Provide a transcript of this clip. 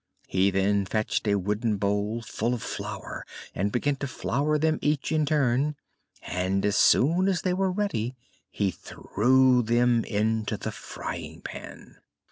He then fetched a wooden bowl full of flour and began to flour them each in turn, and as soon as they were ready he threw them into the frying pan.